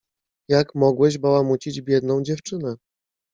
"Jak mogłeś bałamucić biedną dziewczynę?...."